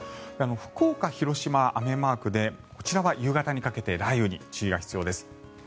福岡、広島、雨マークでこちらは夕方にかけて雷雨に注意が必要です。